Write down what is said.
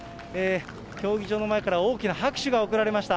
競技場の前から大きな拍手が送られました。